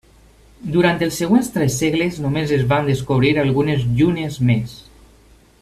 Durant els següents tres segles només es van descobrir algunes llunes més.